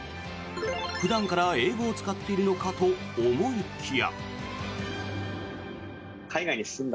普段から英語を使っているのかと思いきや。